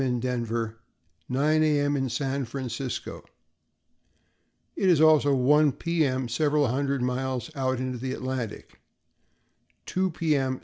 in Denver and 9 A. M. in San Francisco; it is also 1 P. M. several hundred miles out into the Atlantic; 2 P. M.